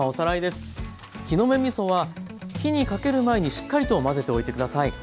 木の芽みそは火にかける前にしっかりと混ぜておいてください。